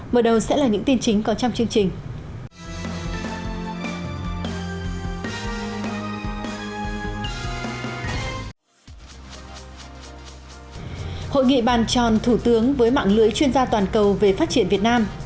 mở đầu sẽ là những tin chính có trong chương trình